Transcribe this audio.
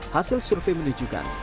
hasil survei menunjukkan